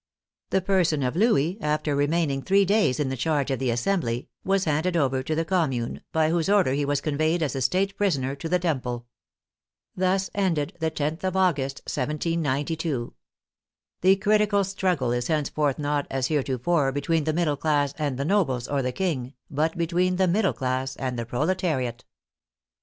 The person of Louis, after remaining three days in charge of the Assembly, was handed over to the Com mune, by whose order he was conveyed as a State pris oner to the Temple. Thus ended the loth of August, 1792. The critical struggle is henceforth not, as hereto fore, between the middle class and the nobles or the King, but between the middle class and the proletariat.